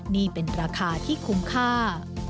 นี่เป็นราคาที่คุ้มค่า